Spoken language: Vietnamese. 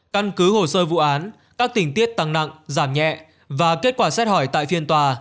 căn cứ hồ sơ vụ án các tình tiết tăng nặng giảm nhẹ và kết quả xét hỏi tại phiên tòa